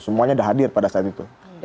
semuanya sudah hadir pada saat itu